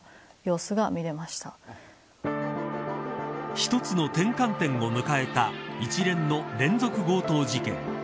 一つの転換点を迎えた一連の連続強盗事件。